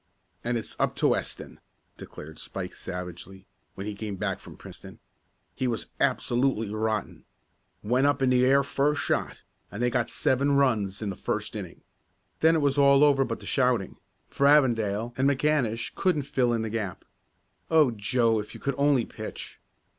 "And it's up to Weston!" declared Spike savagely, when he came back from Princeton. "He was absolutely rotten. Went up in the air first shot, and they got seven runs the first inning. Then it was all over but the shouting, for Avondale and McAnish couldn't fill in the gap. Oh, Joe, if you could only pitch!"